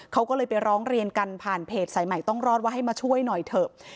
เขาก็เลยไปร้องเรียนกันผ่านเพจสายใหม่ต้องรอดว่าให้มาช่วยหน่อยเถอะ